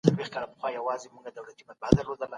تر هغې چي لمر ډوبېده موږ کار کړی و.